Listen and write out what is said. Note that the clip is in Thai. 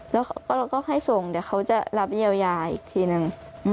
แล้วก็เราก็ให้ส่งเดี๋ยวเขาจะรับเยียวยาอีกทีนึง